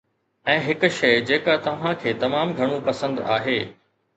۽ هڪ شيء جيڪا توهان کي تمام گهڻو پسند آهي